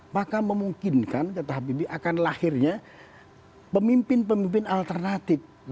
maka memungkinkan kata habibie akan lahirnya pemimpin pemimpin alternatif